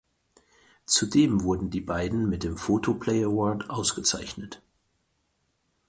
Zudem wurden die beiden mit dem Photoplay Award ausgezeichnet.